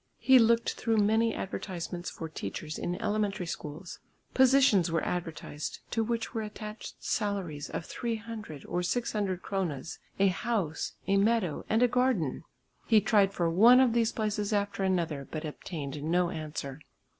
He looked through many advertisements for teachers in elementary schools. Positions were advertised to which were attached salaries of 300 or 600 kronas, a house, a meadow and a garden. He tried for one of these places after another but obtained no answer.